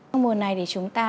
vào mùa này thì chúng ta